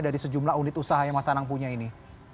dari sejumlah unit usaha yang mas anang punya ini